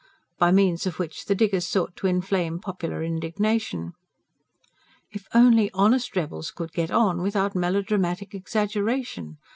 by means of which the diggers sought to inflame popular indignation. "If only honest rebels could get on without melodramatic exaggeration!